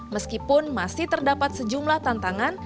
meskipun masih terdapat sejumlah tantangan